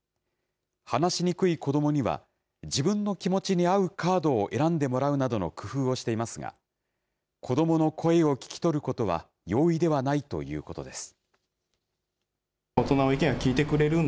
話しにくい子どもには、自分の気持ちに合うカードを選んでもらうなどの工夫をしていますが、子どもの声を聞き取ることは容易ではないということです。